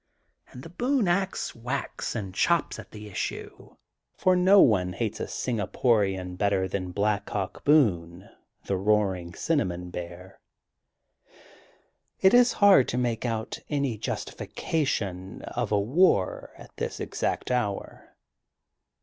And The Boone Ax 162 THE GOLDEN BOOK OF SPRINGFIELD whacks and chops at the issue for no one hates a Singaporian better than Black Hawk Boone, the roaring cinnamon bear. It is hard to make out any justification of a war at this exact hour.